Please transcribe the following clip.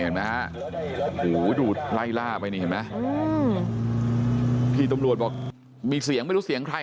เห็นไหมฮะโอ้โหดูไล่ล่าไปนี่เห็นไหมพี่ตำรวจบอกมีเสียงไม่รู้เสียงใคร